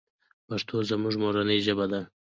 پښتو زمونږ مورنۍ ژبه ده.